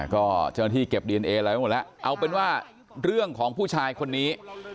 ก็เจ้าหน้าที่เก็บดีเอนเออะไรไว้หมดแล้วเอาเป็นว่าเรื่องของผู้ชายคนนี้